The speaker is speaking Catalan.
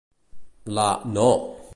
L'ah, no!